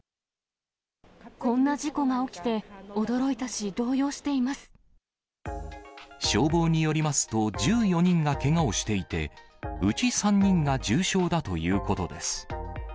こんな事故が起きて、驚いた消防によりますと、１４人がけがをしていて、うち３人が重傷だということです。